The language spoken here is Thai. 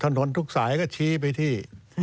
ถนนทุกสายก็ชี้ไปที่